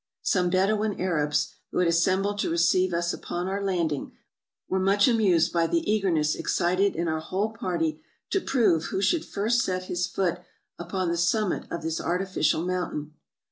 Some Bedouin Arabs, who had assembled to receive us upon our landing, were much amused by the eagerness excited in our whole party to prove who should first set his foot upon the summit of this artificial mountain.